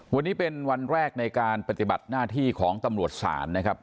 วันนี้เป็นวันแรกในการปฏิบัติหน้าที่ของตำรวจศาลนะครับ